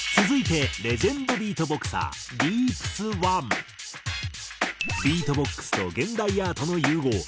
続いてレジェンドビートボクサービートボックスと現代アートの融合。